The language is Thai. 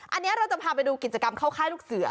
อันนี้เราจะพาไปดูกิจกรรมเข้าค่ายลูกเสือ